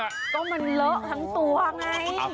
ก็มันเลอะทั้งตัวไง